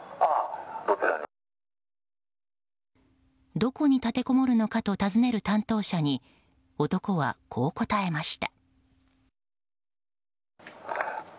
どこに立てこもるのかと尋ねる担当者に男はこう答えました。